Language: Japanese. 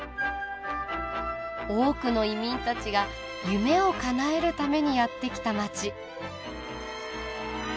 多くの移民たちが夢をかなえるためにやって来た街。